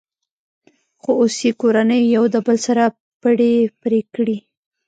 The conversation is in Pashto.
خو اوس یې کورنیو یو د بل سره پړی پرې کړی.